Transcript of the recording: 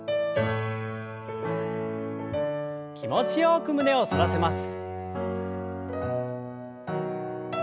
気持ちよく胸を反らせます。